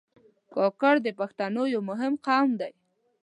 کاکړ د پښتنو یو مهم قوم دی.